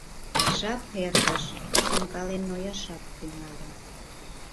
Жап эртыш, шонкален нояшат тӱҥале.